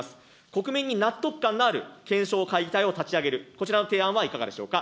国民に納得感のある検証会議体を立ち上げる、こちらの提案はいかがでしょうか。